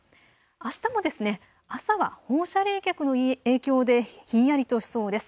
あしたも朝は放射冷却の影響でひんやりとしそうです。